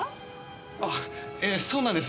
あええそうなんです。